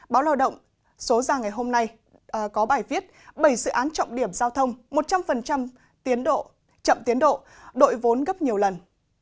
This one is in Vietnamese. báo lao động số ra ngày hôm nay có bài viết bảy dự án trọng điểm giao thông một trăm linh chậm tiến độ đội vốn gấp nhiều lần